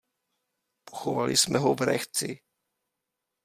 Pochovali jsme ho v Rechci.